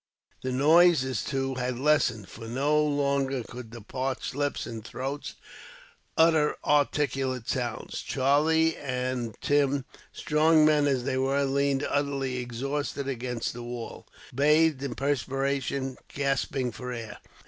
The noises, too, had lessened, for no longer could the parched lips and throats utter articulate sounds. Charlie and Tim, strong men as they were, leaned utterly exhausted against the wall, bathed in perspiration, gasping for air.